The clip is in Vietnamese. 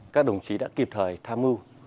các đồng chí đã kịp thời tham mưu